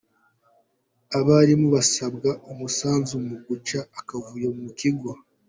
Abarimu basabwe umusanzu mu guca akavuyo mu kigo.